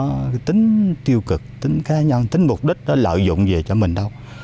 nó không có cái tính tiêu cực tính cá nhân tính mục đích lợi dụng gì cho mình đâu